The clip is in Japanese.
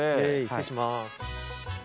失礼します。